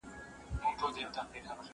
دا سفر له هغه اسانه دی؟